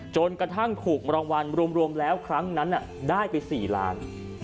จนกระทั่งถูกรางวัลรวมแล้วครั้งนั้นได้ไป๔ล้าน